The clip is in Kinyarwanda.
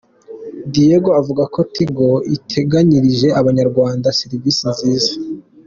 Diego avuga ko Tigo iteganyirije abanyarwanda serivise nziza.